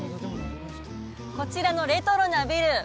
こちらのレトロなビル